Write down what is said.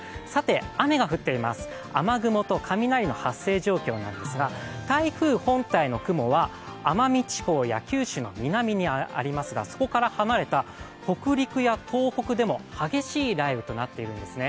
雨が降っています、雨雲と雷の発生状況なんですが、台風本体の雲は奄美地方や九州の南にありますがそこから離れた北陸や東北でも激しい雷雨となっているんですね。